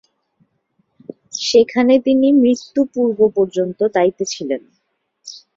সেখানে তিনি মৃত্যু-পূর্ব পর্যন্ত দায়িত্বে ছিলেন।